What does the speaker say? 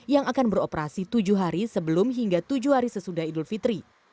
yang akan beroperasi tujuh hari sebelum hingga tujuh hari sesudah idul fitri